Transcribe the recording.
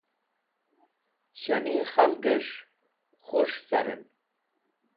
Shani khalges̃h kus̃h carẽn.